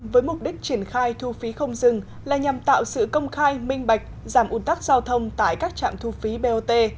với mục đích triển khai thu phí không dừng là nhằm tạo sự công khai minh bạch giảm ủn tắc giao thông tại các trạm thu phí bot